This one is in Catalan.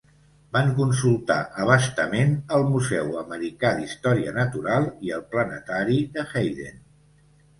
Van consultar abastament el Museu Americà d'Història Natural i el Planetari de Hayden.